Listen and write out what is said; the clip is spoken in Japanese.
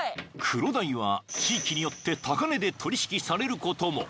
［クロダイは地域によって高値で取引されることも］